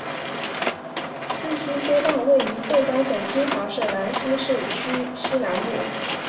赤溪街道位于浙江省金华市兰溪市区西南部。